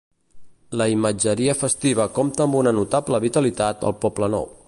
La imatgeria festiva compta amb una notable vitalitat al Poblenou.